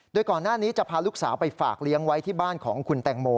โดยก่อนหน้านี้จะพาลูกสาวไปฝากเลี้ยงไว้ที่บ้านของคุณแตงโม